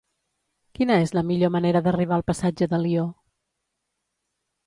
Quina és la millor manera d'arribar al passatge d'Alió?